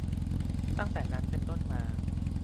ตั้งแต่นั้นเป็นต้นมา